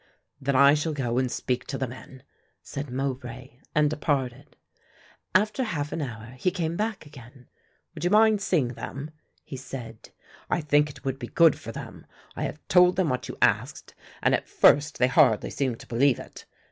"Then I shall go and speak to the men," said Mowbray, and departed. After half an hour he came back again. "Would you mind seeing them?" he said. "I think it would be good for them. I have told them what you asked and at first they hardly seemed to believe it.